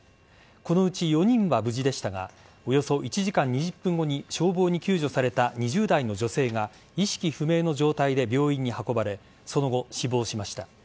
このうち４人は無事でしたがおよそ１時間２０分後に消防に救助された２０代の女性が意識不明の状態で病院に運ばれその後、死亡しました。